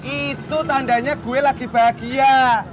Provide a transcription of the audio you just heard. itu tandanya gue lagi bahagia